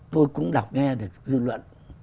tôi cũng đọc nghe được dư luận